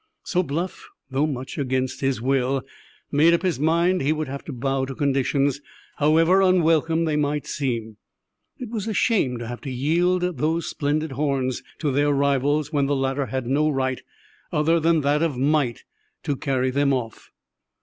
So Bluff, though much against his will, made up his mind he would have to bow to conditions, however unwelcome they might seem. It was a shame to have to yield those splendid horns to their rivals when the latter had no right, other than that of might, to carry them off.